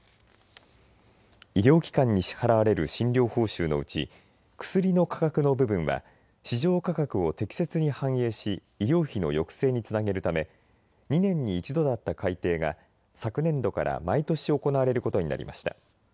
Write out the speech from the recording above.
医療機関に支払われる診療報酬のうち薬の価格の部分は市場価格を適切に反映し医療費の抑制につなげるため２年に１度だった改定が昨年度から毎年行われることになりました。